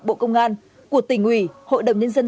bộ công an của tỉnh ủy hội đồng nhân dân